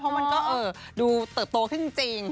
เพราะมันก็ดูเติบโตขึ้นจริง